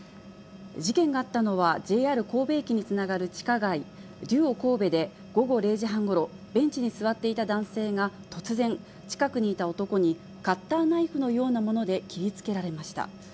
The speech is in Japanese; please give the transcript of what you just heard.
事件があったのは、ＪＲ神戸駅につながる地下街、デュオこうべで、午後０時半ごろ、ベンチに座っていた男性が、突然、近くにいた男にカッターナイフのようなもので切りつけられました。